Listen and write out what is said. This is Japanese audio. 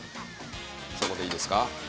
そこでいいですか？